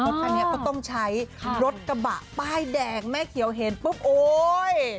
คันนี้ก็ต้องใช้รถกระบะป้ายแดงแม่เขียวเห็นปุ๊บโอ๊ย